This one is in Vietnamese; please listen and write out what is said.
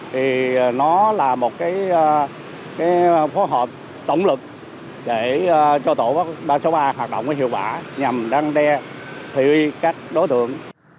thì nó là một phó hợp tổng lực để cho tổ ba trăm sáu mươi ba hoạt động hiệu quả nhằm đăng đe thủy các đối tượng